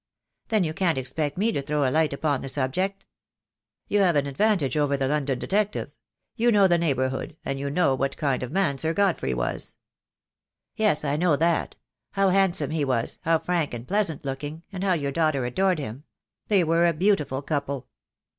"Then you can't expect me to throw a light upon the subject." "You have an advantage over the London detective. You know the neighbourhood — and you know what kind of man Sir Godfrey was." "Yes, I know that. How handsome he was, how frank and pleasant looking, and how your daughter adored him. They were a beautiful couple."